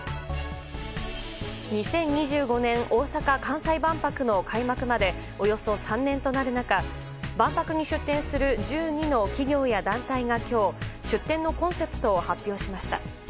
２０２５年大阪・関西万博の開幕までおよそ３年となる中万博に出展する１２の企業や団体が今日出展のコンセプトを発表しました。